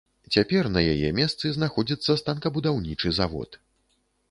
Цяпер на яе месцы знаходзіцца станкабудаўнічы завод.